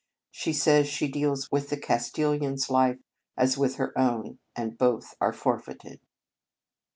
She says she deals with the Castilian s life as with her own, and both are forfeited."